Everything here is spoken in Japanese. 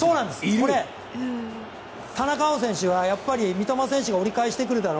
これ、田中碧選手は三笘選手が折り返してくるだろう